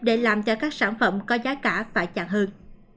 để làm cho các sản phẩm có giá cả phải chặt hơn